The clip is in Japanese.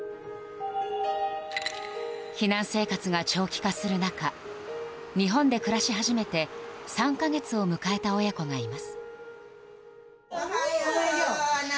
避難生活が長期化する中日本で暮らし始めて３か月を迎えた親子がいます。